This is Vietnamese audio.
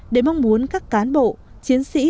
để mong muốn các cán bộ chiến sĩ